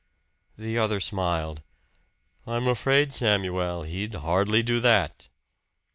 The other smiled. "I'm afraid, Samuel, he'd hardly do that!"